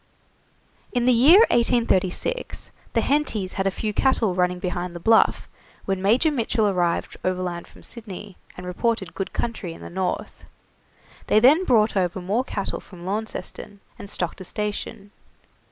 In the year 1836, the Hentys had a few cattle running behind the Bluff when Major Mitchell arrived overland from Sydney, and reported good country to the north. They then brought over more cattle from Launceston, and stocked a station.